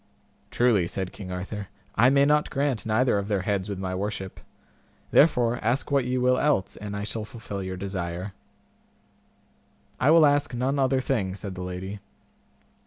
Truly, said King Arthur, I may not grant neither of their heads with my worship, therefore ask what ye will else, and I shall fulfil your desire. I will ask none other thing, said the lady.